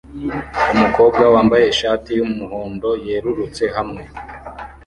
Umukobwa wambaye ishati yumuhondo yerurutse hamwe